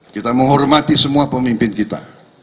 kita menghormati semua pemimpin kita